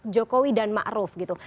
jokowi dan ma'ruf gitu